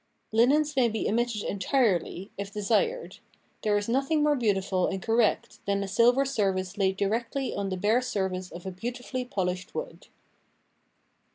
Linens may be omitted entirely, if desired. There is nothing more beautiful and correct than a silver service laid directly on the bare surface of beautifully oolished wood.